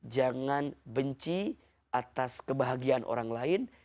jangan benci atas kebahagiaan orang lain